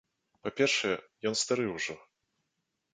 Па-першае, ён стары ўжо.